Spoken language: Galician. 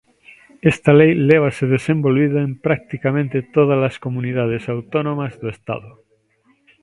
Esta lei lévase desenvolvido en practicamente todas as comunidades autónomas do Estado.